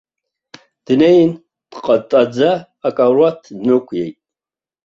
Днеин, дҟатаӡа акаруаҭ днықәиеит.